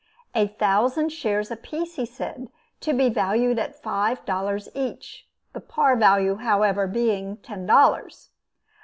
A thousand shares apiece, he said; to be valued at five dollars each, the par value however, being ten dollars.